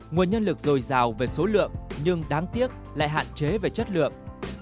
nguồn nhân lực dồi dào về số lượng nhưng đáng tiếc lại hạn chế về chất lượng